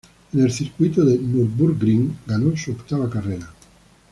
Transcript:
En el circuito de Nürburgring ganó su octava carrera.